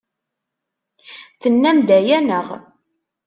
Tennam-d aya, naɣ?